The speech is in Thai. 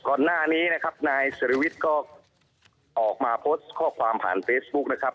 ก่อนหน้านี้นะครับนายศิริวิทย์ก็ออกมาโพสต์ข้อความผ่านเฟซบุ๊คนะครับ